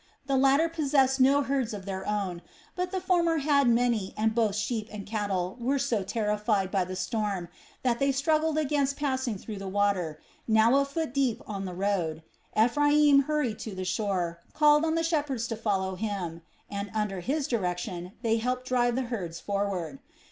The latter possessed no herds of their own, but the former had many and both sheep and cattle were so terrified by the storm that they struggled against passing through the water, now a foot deep over the road. Ephraim hurried to the shore, called on the shepherds to follow him and, under his direction, they helped drive the herds forward.